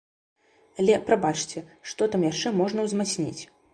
Але, прабачце, што там яшчэ можна ўзмацніць?